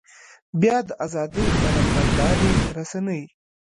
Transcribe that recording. بيا د ازادۍ علمبردارې رسنۍ.